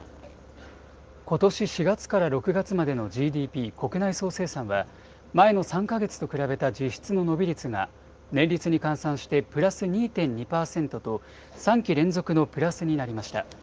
ことし４月から６月までのＧＤＰ・国内総生産は前の３か月と比べた実質の伸び率が年率に換算してプラス２．２％と３期連続のプラスになりました。